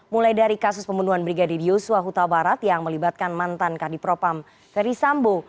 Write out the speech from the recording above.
mulai dari kasus pembunuhan brigadir yusua huta barat yang melibatkan mantan kadipropam verisambo